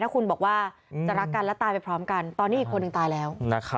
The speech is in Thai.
คุณบอกว่าจะรักกันและตายไปพร้อมกันตอนนี้อีกคนหนึ่งตายแล้ว